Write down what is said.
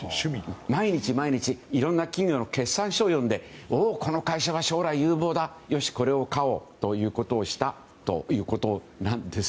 毎日、いろんな企業の決算書を読んでおお、この会社は将来有望だよし、これを買おうということをしたんです。